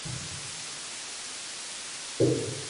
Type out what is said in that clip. افغانستان د ښتې په برخه کې نړیوالو بنسټونو سره کار کوي.